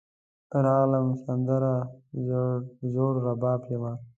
راغلمه , سندره زوړرباب یمه